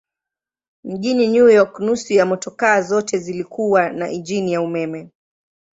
Mjini New York nusu ya motokaa zote zilikuwa na injini ya umeme.